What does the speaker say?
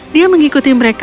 dia mengikuti mereka